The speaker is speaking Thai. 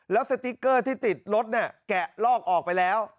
แล้วสติ๊กเกอร์ที่ติดรถเนี่ยแกะลอกออกไปแล้ว